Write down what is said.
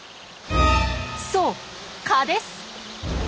そう蚊です！